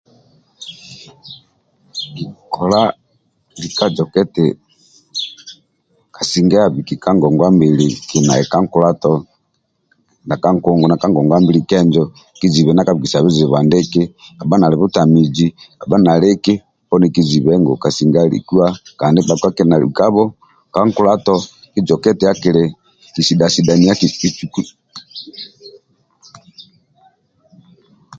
Kola lika zoka eti kasinge abiki ka ngongwa mbili kili na eka nkulato dia ka nkungu ka ngongwa mbili kenjo kizibe ndia akubikisa bijibu andiki kabha nali butamizi kabha nali eki poniz kizibe eti kasinge alikua kandi bhakpa kili na ekabho ka nkulato kihoke eti akiki kisidha sidhania kicuku